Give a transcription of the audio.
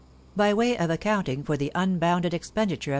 By way of accounting for the unbounded expenditure of M.